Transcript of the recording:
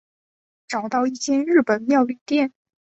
找到一间日本料理店